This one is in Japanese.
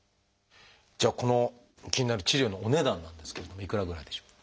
じゃあこの気になる治療のお値段なんですけれどもいくらぐらいしょう？